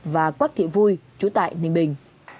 và quách thị vui chú tại ninh bình